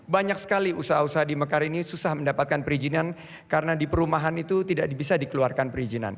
banyak sekali usaha usaha di mekar ini susah mendapatkan perizinan karena di perumahan itu tidak bisa dikeluarkan perizinan